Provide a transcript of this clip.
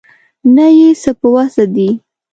نه یې څه په وسه دي.